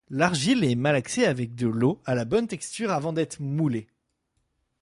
L'argile est malaxée avec de l'eau à la bonne texture avant d'être moulée.